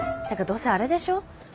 どうせあれでしょ？